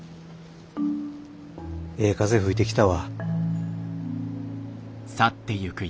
ええ風吹いてきたわ。